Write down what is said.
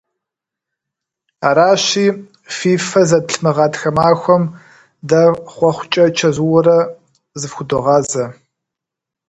Аращи, фи фэ зэтплъ мы гъатхэ махуэм дэ хъуэхъукӀэ чэзууэрэ зыфхудогъазэ.